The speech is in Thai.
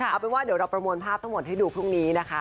เอาเป็นว่าเดี๋ยวเราประมวลภาพทั้งหมดให้ดูพรุ่งนี้นะคะ